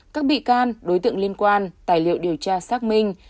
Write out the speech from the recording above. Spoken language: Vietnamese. các bị can đối tượng liên quan tài liệu điều tra xác minh